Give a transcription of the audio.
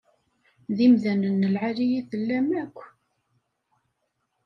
D imdanen n lɛali i tellam akk.